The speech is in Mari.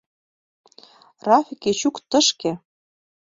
— Рафик, Эчук — тышке!